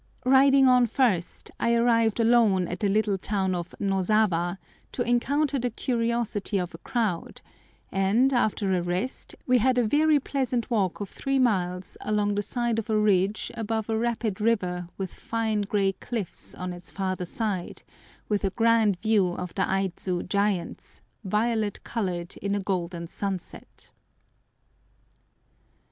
Riding on first, I arrived alone at the little town of Nozawa, to encounter the curiosity of a crowd; and, after a rest, we had a very pleasant walk of three miles along the side of a ridge above a rapid river with fine grey cliffs on its farther side, with a grand view of the Aidzu giants, violet coloured in a golden sunset.